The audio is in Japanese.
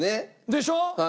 でしょ？